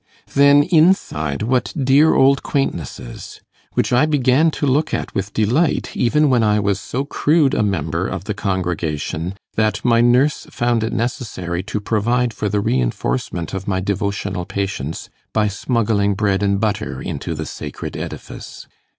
Then inside, what dear old quaintnesses! which I began to look at with delight, even when I was so crude a member of the congregation, that my nurse found it necessary to provide for the reinforcement of my devotional patience by smuggling bread and butter into the sacred edifice.